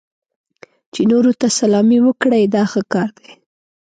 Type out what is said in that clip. چې نورو ته سلامي وکړئ دا ښه کار دی.